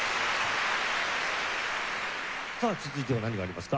さあ続いては何がありますか？